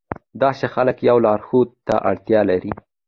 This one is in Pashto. داسې خلک يوه لارښود ته اړتيا لري.